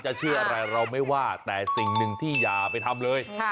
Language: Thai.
เชื่ออะไรเราไม่ว่าแต่สิ่งหนึ่งที่อย่าไปทำเลย